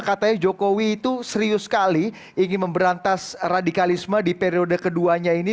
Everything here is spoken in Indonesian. katanya jokowi itu serius sekali ingin memberantas radikalisme di periode keduanya ini